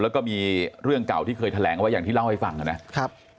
แล้วก็มีเรื่องเก่าที่เคยแถลงเอาไว้อย่างที่เล่าให้ฟังนะครับ